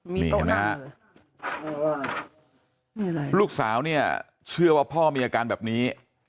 มีโต๊ะนั่นเหรอลูกสาวเนี่ยเชื่อว่าพ่อมีอาการแบบนี้